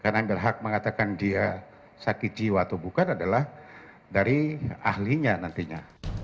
karena yang berhak mengatakan dia sakit jiwa atau bukan adalah dari ahlinya nantinya